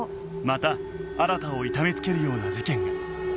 また新を痛め付けるような事件が